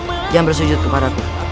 jangan bersujud kepada aku